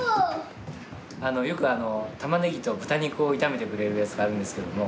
よく玉ねぎと豚肉を炒めてくれるやつがあるんですけども。